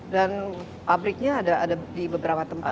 dan pabriknya ada di beberapa tempat